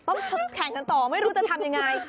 ต้องแข่งกันต่อไม่รู้จะทำยังไง